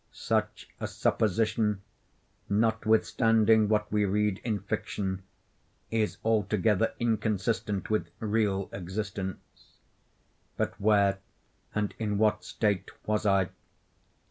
Such a supposition, notwithstanding what we read in fiction, is altogether inconsistent with real existence;—but where and in what state was I?